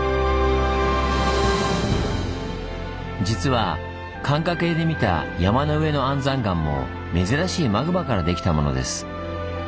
実は寒霞渓で見た山の上の安山岩も珍しいマグマからできたものです。